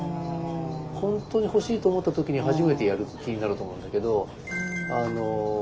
本当に欲しいと思った時に初めてやる気になると思うんだけど。